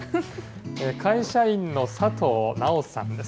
会社員の佐藤奈緒さんです。